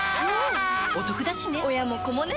おトクだしね